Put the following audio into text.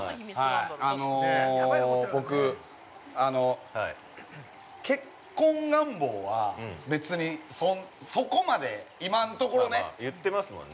あの、僕、あの結婚願望は、別に、そこまで今んところね◆言ってますもんね。